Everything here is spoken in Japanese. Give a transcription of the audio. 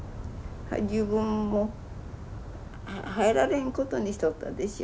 自分も入られんことにしとったでしょ